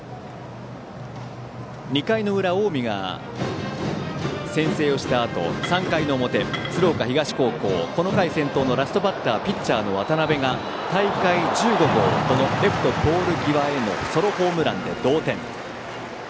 ２回の裏、近江が先制をしたあと３回の表、鶴岡東高校この回先頭のラストバッターピッチャーの渡辺が大会１５号、レフトポール際へのソロホームランで同点。